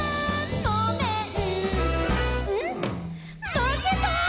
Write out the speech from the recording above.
まけた」